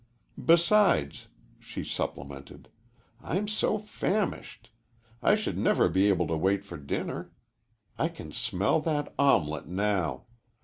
"Besides," she supplemented, "I'm so famished. I should never be able to wait for dinner. I can smell that omelette now.